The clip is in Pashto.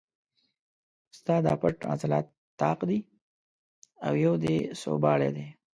ستا دا پټ عضلات طاق دي او یو دې سوباړی دی.